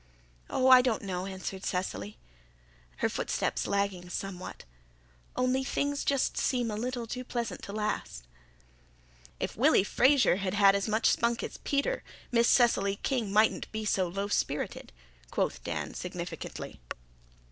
"Oh, I don't know," answered Cecily, her footsteps lagging somewhat. "Only things seem just a little too pleasant to last." "If Willy Fraser had had as much spunk as Peter, Miss Cecily King mightn't be so low spirited," quoth Dan, significantly.